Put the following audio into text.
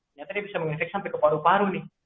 tidak tadi bisa menginfeksi sampai ke paru paru nih